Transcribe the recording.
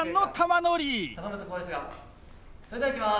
それではいきます！